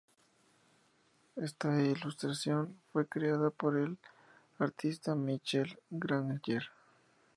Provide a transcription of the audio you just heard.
Ésta ilustración fue creada por el artista Michel Granger.